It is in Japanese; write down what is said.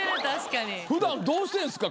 普段どうしてんすか？